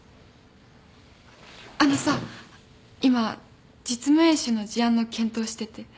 あのさ今実務演習の事案の検討してて。